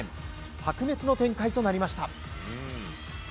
白熱の展開となりました。